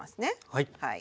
はい。